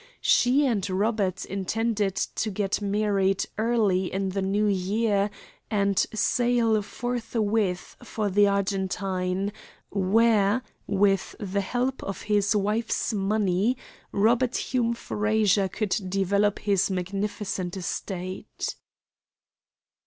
She and Robert intended to get married early in the New Year and sail forthwith for the Argentine, where, with the help of his wife's money, Robert Hume Frazer could develop his magnificent estate.